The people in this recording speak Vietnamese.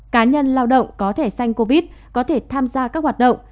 cá nhân lao động có thể sanh covid có thể tham gia các hoạt động